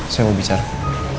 saya mau bicara